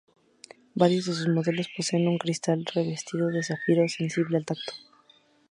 Varios de sus modelos poseen un cristal revestido de zafiro sensible al tacto.